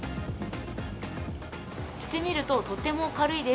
着てみると、とても軽いです。